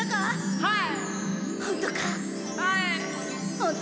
はい。